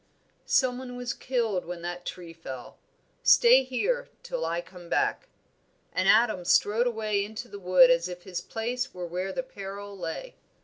"Someone was killed when that tree fell! Stay here till I come back;" and Adam strode away into the wood as if his place were where the peril lay.